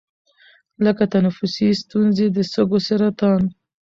لـکه تنفـسي سـتونـزې، د سـږوسـرطـان،